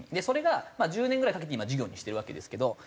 それが１０年ぐらいかけて今事業にしてるわけですけど。